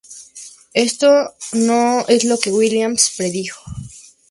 Esto no es lo que Williams predijo.